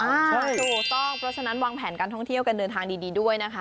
ถูกต้องเพราะฉะนั้นวางแผนการท่องเที่ยวกันเดินทางดีด้วยนะคะ